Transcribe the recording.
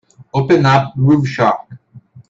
Open up Groove Shark.